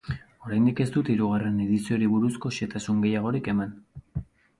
Oraindik ez dute hirugarren edizioari buruzko xehetasun gehiagorik eman.